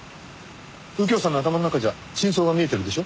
右京さんの頭の中じゃ真相が見えてるんでしょ？